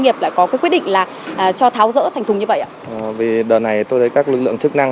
nghiệp lại có quyết định là cho tháo rỡ thành thùng như vậy ạ vì đợt này tôi thấy các lực lượng